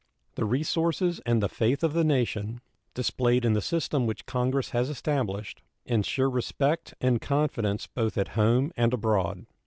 The resources and the faith of the nation, displayed in the system which Congress has established, insure respect and confidence both at home and abroad.